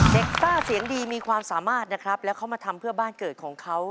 ซ่าเสียงดีมีความสามารถนะครับแล้วเขามาทำเพื่อบ้านเกิดของเขา